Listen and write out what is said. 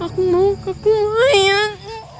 aku mau ke kumayan